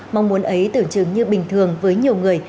mong muốn ấy tưởng chừng như bình thường với nhiều người